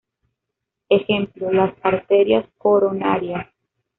Ejemplo: las arterias coronarias.